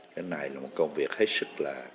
cái này là một công việc hết sức là